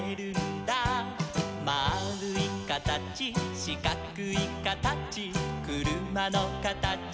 「まあるいかたちしかくいかたち」「くるまのかたち